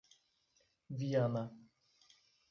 Viana